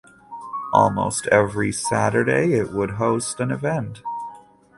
Almost every Saturday it would host an event.